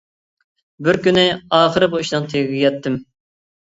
بىر كۈنى ئاخىرى بۇ ئىشنىڭ تېگىگە يەتتىم.